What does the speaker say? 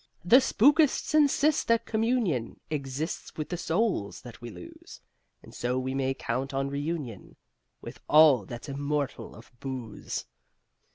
The spookists insist that communion Exists with the souls that we lose And so we may count on reunion With all that's immortal of Booze.